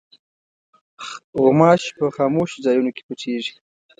غوماشې په خاموشو ځایونو کې پټېږي.